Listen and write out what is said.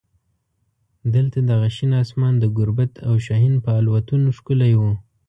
دلته دغه شین اسمان د ګوربت او شاهین په الوتنو ښکلی و.